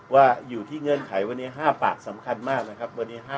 ว่าอยู่ที่เงื่อนไขวันนี้๕ปากสำคัญมากนะครับวันนี้